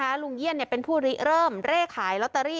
ลุงเยี่ยนเป็นผู้เริ่มเร่ขายลอตเตอรี่